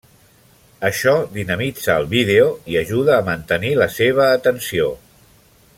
Això dinamitza el vídeo i ajuda a mantenir la seva atenció.